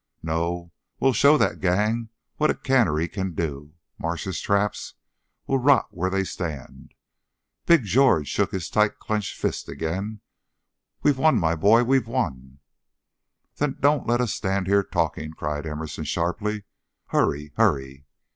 "No! We'll show that gang what a cannery can do. Marsh's traps will rot where they stand." Big George shook his tight clinched fist again. "We've won, my boy! We've won!" "Then don't let us stand here talking!" cried Emerson, sharply. "Hurry! Hurry!"